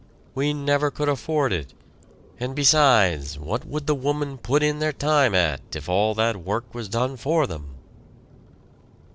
"We never could afford it, and, besides, what would the women put in their time at if all that work was done for them?"